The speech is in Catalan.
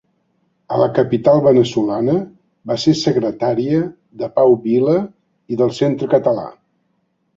A la capital veneçolana va ser secretària de Pau Vila i del Centre Català.